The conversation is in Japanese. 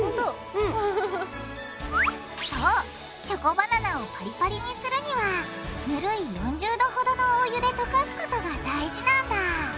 そうチョコバナナをパリパリにするにはぬるい４０℃ほどのお湯でとかすことが大事なんだ！